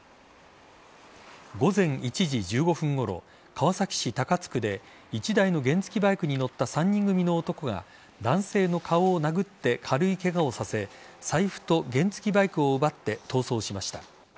午前１時１５分ごろ川崎市高津区で１台の原付バイクに乗った３人組の男が男性の顔を殴って軽いケガをさせ財布と原付バイクを奪って逃走しました。